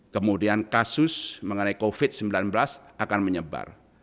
kemudian kasus mengenai covid sembilan belas akan menyebar